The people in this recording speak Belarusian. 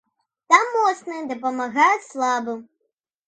Там моцныя дапамагаюць слабым.